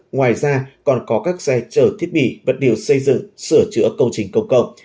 ngoài ra còn có các xe chở thiết bị vật liệu xây dựng sửa chữa công trình công cộng